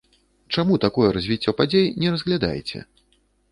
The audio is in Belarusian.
Чаму такое развіццё падзей не разглядаеце?